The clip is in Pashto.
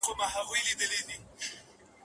پر ساحل باندي ولاړ یمه زنګېږم